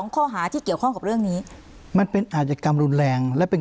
ข้อหาที่เกี่ยวข้องกับเรื่องนี้มันเป็นอาจกรรมรุนแรงและเป็น